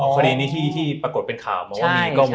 คณิตที่ปรากฏเป็นข่าวมั้ง